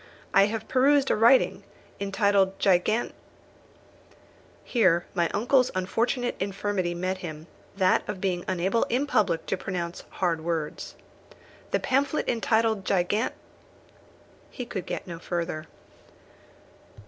I have perused a writing, entitled Gigan " Here my uncle's unfortunate infirmity met him that of being unable in public to pronounce hard words. "The pamphlet entitled Gigan " He could get no further.